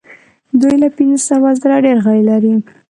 دوی له پنځه سوه زره ډیر غړي لري.